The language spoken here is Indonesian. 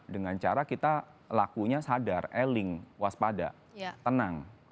dengan cara kita lakunya sadar eling waspada tenang